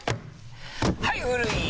はい古い！